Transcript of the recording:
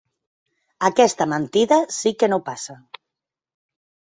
Aquesta mentida sí que no passa.